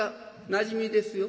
「なじみですよ」。